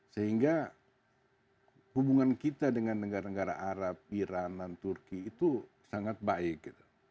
sehingga hubungan kita dengan negara negara arab iran dan turki itu sangat baik